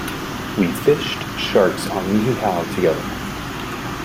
We fished sharks on Niihau together.